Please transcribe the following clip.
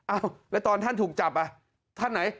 อ้าวแล้วตอนท่านถูกจับท่านไหน